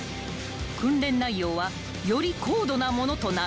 ［訓練内容はより高度なものとなる］